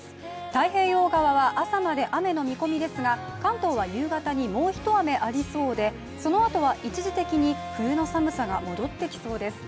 太平洋側は朝まで雨の見込みですが関東は夕方にもう一雨ありそうでそのあとは一時的に冬の寒さが戻ってきそうです。